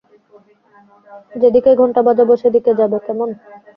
যে দিকেই ঘণ্টা বাজাব, সেদিকে যাবে, কেমন?